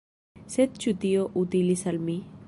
Sed ĉu tio utilis al mi?